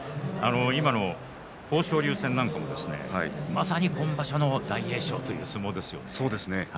豊昇龍戦なんかもまさに今場所の大栄翔という相撲でしたね。